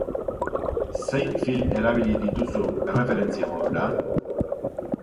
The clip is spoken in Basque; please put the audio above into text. Zein film erabili dituzu erreferentzia modura?